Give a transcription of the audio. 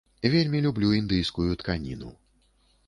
Вельмі люблю індыйскую тканіну.